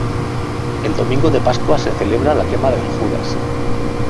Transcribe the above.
El Domingo de Pascua se celebra la Quema del Judas.